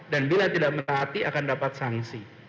dan bila tidak mentaati akan dapat sanksi